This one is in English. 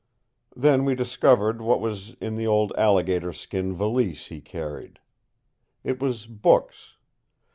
Then we discovered what was in the old alligator skin valise he carried. It was books.